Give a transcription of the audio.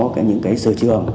có những sơ trường